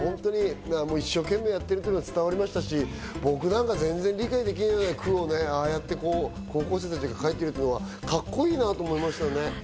一生懸命やってるのが伝わりましたし、僕なんかが全然理解できないような句をああやって高校生たちが書いてるというのはカッコいいなと思いましたね。